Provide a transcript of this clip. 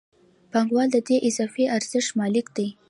پانګوال د دې اضافي ارزښت مالک دی